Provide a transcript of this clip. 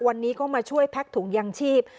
วันนี้ก็มาช่วยแพ็กถุงยางชีพ